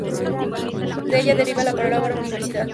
De ella deriva la palabra universidad.